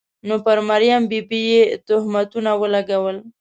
نو پر مریم بي بي یې تهمتونه ولګول.